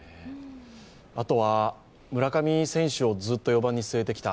あとは、村上選手をずっと４番に据えてきた。